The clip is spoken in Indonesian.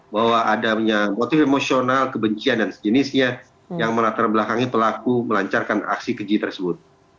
bahwa adanya motif emosional kebencian dan sejenisnya yang melatar belakangi pelaku melancarkan aksi keji tersebut